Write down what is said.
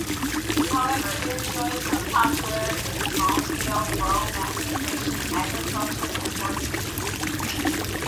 However, it enjoys some popularity in small-scale, low-mechanization agriculture and horse-keeping.